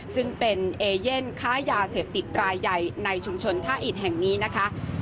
ซึ่งเป็นเอเย่นค้ายาเสพติดรายใหญ่ในชุมชนท่าอิดแห่งนี้นะคะ